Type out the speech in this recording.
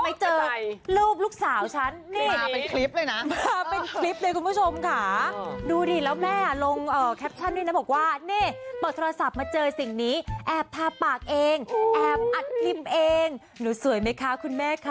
ไปเจอรูปลูกสาวฉันนี่มาเป็นคลิปเลยนะมาเป็นคลิปเลยคุณผู้ชมค่ะดูดิแล้วแม่ลงแคปชั่นด้วยนะบอกว่านี่เปิดโทรศัพท์มาเจอสิ่งนี้แอบทาปากเองแอบอัดพิมพ์เองหนูสวยไหมคะคุณแม่ค่ะ